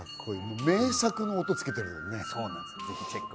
名作の音をつけてるもんね。